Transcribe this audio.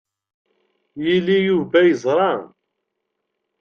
Yili, Yuba yeẓṛa.